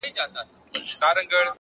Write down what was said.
o څو؛ د ژوند په دې زوال کي کړې بدل؛